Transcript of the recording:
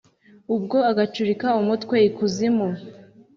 ubwo agacurika umutwe i kuzimu